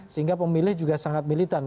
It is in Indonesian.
sehingga pemilih juga sangat militan